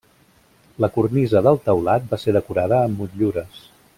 La cornisa del teulat va ser decorada amb motllures.